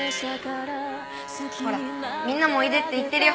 ほらみんなもおいでって言ってるよ。